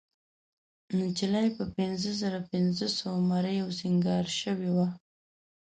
نجلۍ په پينځهزرهپینځهسوو مریو سینګار شوې وه.